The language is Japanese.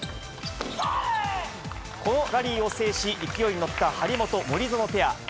このラリーを制し、勢いに乗った張本・森薗ペア。